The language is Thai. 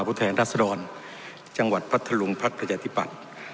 รัฐศรรณจังหวัดพระทะลุงพระประจฐิปัตย์